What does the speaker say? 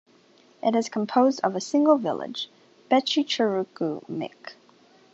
It is composed of a single village, Becicherecu Mic.